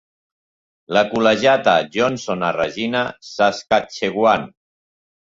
La col·legiata Johnson a Regina, Saskatchewan.